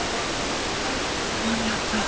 間に合った。